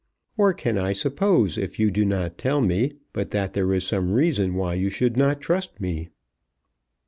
Or can I suppose if you do not tell me, but that there is some reason why you should not trust me?"